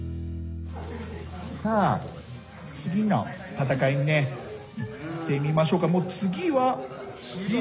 さあ次の戦いにいってみましょうか。